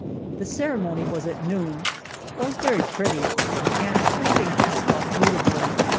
The ceremony was at noon was very pretty and everything passed off beautifully.